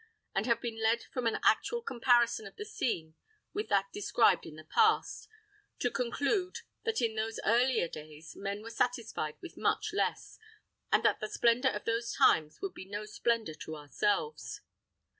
and have been led from an actual comparison of the scene with that described in the past, to conclude that in those earlier days men were satisfied with much less, and that the splendor of those times would be no splendor to ourselves.